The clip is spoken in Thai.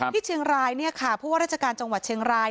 ที่เชียงรายเนี่ยค่ะผู้ว่าราชการจังหวัดเชียงราย